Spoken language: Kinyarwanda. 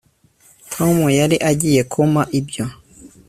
tom yari agiye kumpa ibyo